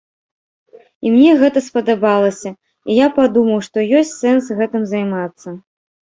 І мне гэта спадабалася, і я падумаў, што ёсць сэнс гэтым займацца.